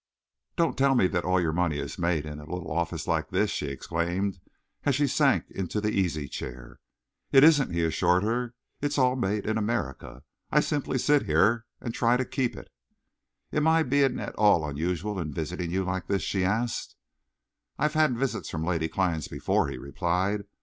"Don't tell me that all your money is made in a little office like this!" she exclaimed, as she sank into the easy chair. "It isn't," he assured her. "It's all made in America. I simply sit here and try to keep it." "Am I being at all unusual in visiting you like this?" she asked. "I've had visits from lady clients before," he replied.